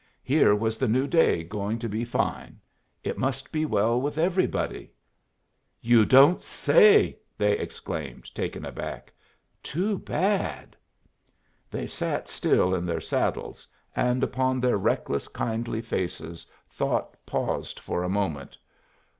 Here was the new day going to be fine. It must be well with everybody. "You don't say!" they exclaimed, taken aback. "Too bad." They sat still in their saddles, and upon their reckless, kindly faces thought paused for a moment.